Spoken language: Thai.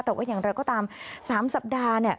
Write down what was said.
แต่ว่าอย่างไรก็ตาม๓สัปดาห์เนี่ย